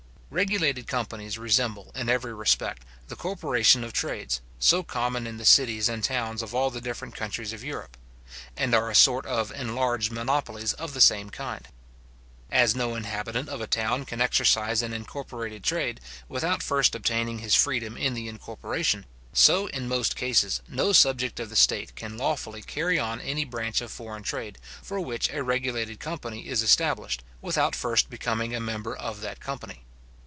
Regulated companies resemble, in every respect, the corporation of trades, so common in the cities and towns of all the different countries of Europe; and are a sort of enlarged monopolies of the same kind. As no inhabitant of a town can exercise an incorporated trade, without first obtaining his freedom in the incorporation, so, in most cases, no subject of the state can lawfully carry on any branch of foreign trade, for which a regulated company is established, without first becoming a member of that company.